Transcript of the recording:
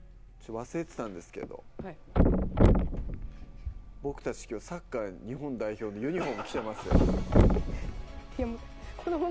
忘れてたんですけどボクたちきょうサッカー日本代表のユニフォーム着てますよね